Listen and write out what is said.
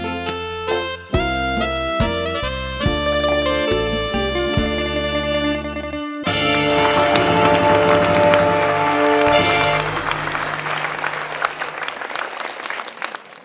สวัสดีครับทุกคน